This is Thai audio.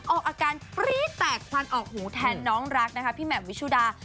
ออกอาการปรี๊ดแตกควันออกหูแทนน้องรักนะคะพี่แหม่มวิชุดา